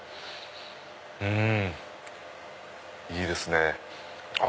うんいいですね。